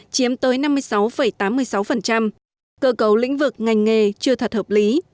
chiếm tới năm mươi sáu tám mươi sáu cơ cấu lĩnh vực ngành nghề chưa thật hợp lý